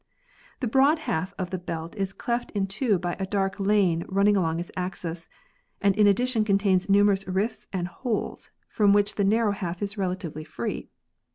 The broad half of the belt is cleft in two by a dark lane running along its axis, and in addi tion contains numerous rifts and holes, from which the narrow half is relatively free.